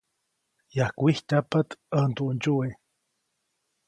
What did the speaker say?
Yajkwijtyajpaʼt ʼäj nduʼndsyuwe.